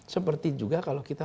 seperti juga kalau kita